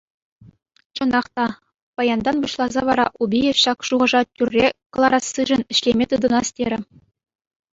Чӑнах та, паянтан пуҫласа вара Убиев ҫак шухӑша тӳрре кӑларассишӗн ӗҫлеме тытӑнас терӗ.